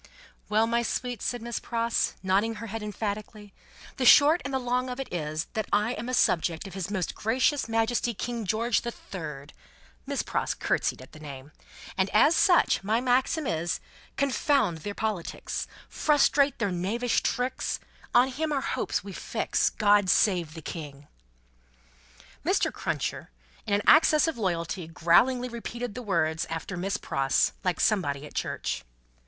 "Well, my sweet," said Miss Pross, nodding her head emphatically, "the short and the long of it is, that I am a subject of His Most Gracious Majesty King George the Third;" Miss Pross curtseyed at the name; "and as such, my maxim is, Confound their politics, Frustrate their knavish tricks, On him our hopes we fix, God save the King!" Mr. Cruncher, in an access of loyalty, growlingly repeated the words after Miss Pross, like somebody at church.